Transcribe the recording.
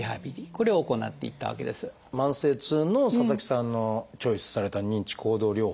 慢性痛の佐々木さんのチョイスされた認知行動療法。